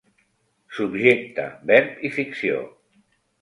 Subjecte, verb i ficció.